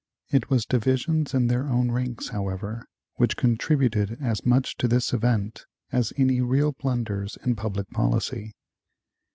It was divisions in their own ranks, however, which contributed as much to this event as any real blunders in public policy.